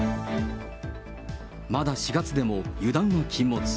まだ４月でも油断は禁物。